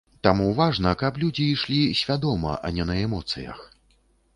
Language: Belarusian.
Таму важна, каб людзі ішлі свядома, а не на эмоцыях.